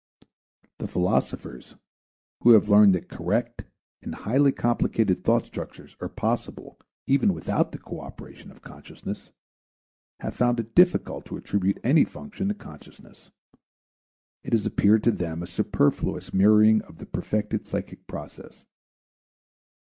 The philosophers, who have learned that correct and highly complicated thought structures are possible even without the coöperation of consciousness, have found it difficult to attribute any function to consciousness; it has appeared to them a superfluous mirroring of the perfected psychic process.